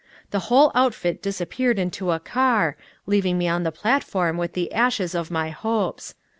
The whole outfit disappeared into a car, leaving me on the platform with the ashes of my hopes.